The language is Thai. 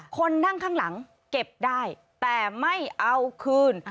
คนนั่งข้างหลังเก็บได้แต่ไม่เอาคืน